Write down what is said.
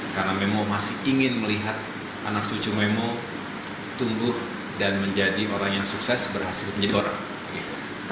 karena memo masih ingin melihat anak cucu memo tumbuh dan menjadi orang yang sukses berhasil menjadi orang